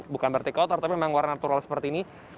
bukan berarti kotor tapi memang warna natural seperti ini